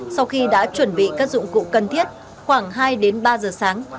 sau khi đã chuẩn bị các dụng cụ cần thiết khoảng hai đến ba giờ sáng